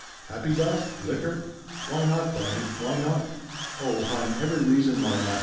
Happy dust? Liquor? Why not, Bonnie, why not?" "Oh, hon, every reason why not!"